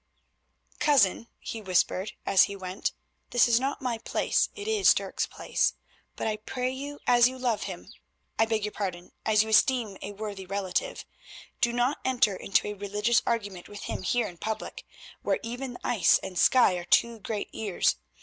"Cousin," he whispered as he went, "this is not my place, it is Dirk's place, but I pray you as you love him—I beg your pardon—as you esteem a worthy relative—do not enter into a religious argument with him here in public, where even the ice and sky are two great ears.